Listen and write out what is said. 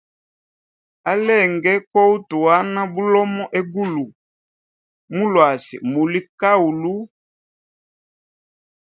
Alenge kohutuwana bulomo egulu, mulwasi muli kahulu.